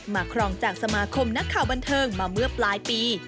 ครองจากสมาคมนักข่าวบันเทิงมาเมื่อปลายปี